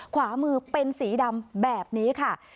ขวามือเป็นสีดำแบบนี้ค่ะ